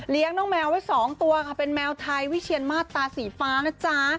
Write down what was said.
น้องแมวไว้๒ตัวค่ะเป็นแมวไทยวิเชียนมาสตาสีฟ้านะจ๊ะ